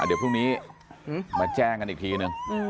เดี๋ยวพรุ่งนี้มาแจ้งกันอีกทีนึง